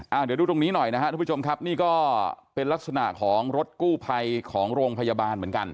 เดี๋ยวดูตรงนี้หน่อยนะครับทุกผู้ชมครับนี่ก็เป็นลักษณะของรถกู้ภัยของโรงพยาบาลเหมือนกัน